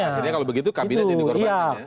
akhirnya kalau begitu kabinet yang dikorbankan